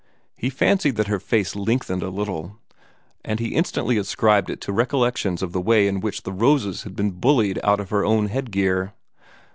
He fancied that her face lengthened a little, and he instantly ascribed it to recollections of the way in which the roses had been bullied out of her own headgear.